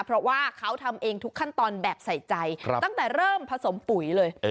เพราะว่าเขาทำเองทุกขั้นตอนแบบใส่ใจตั้งแต่เริ่มผสมปุ๋ยเลย